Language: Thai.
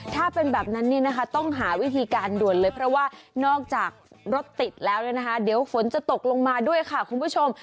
ถ้าเป็นแบบนั้นเนี่ยนะคะต้องหาวิธีการด่วนเลยเพราะว่านอกจากรถติดแล้วเนี่ยนะคะเดี๋ยวฝนจะตกลงมาด้วยค่ะคุณผู้ชม